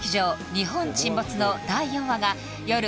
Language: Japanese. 「日本沈没」の第４話がよる